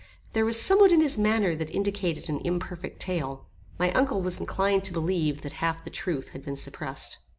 There was somewhat in his manner that indicated an imperfect tale. My uncle was inclined to believe that half the truth had been suppressed.